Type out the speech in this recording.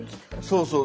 そうそう。